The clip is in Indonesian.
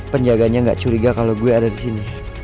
penjaganya gak curiga kalau gue ada di sini